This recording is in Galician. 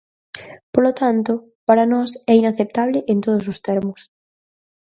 Polo tanto, para nós é inaceptable en todos os termos.